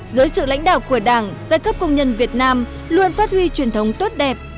dưới sự lãnh đạo của đảng giai cấp công nhân việt nam luôn phát huy truyền thống tốt đẹp